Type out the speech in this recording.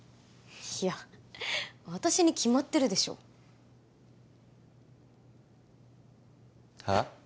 いや私に決まってるでしょはあ？